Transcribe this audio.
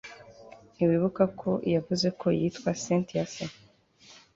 ntiwibuka ko yavuze ko yitwa cyntia se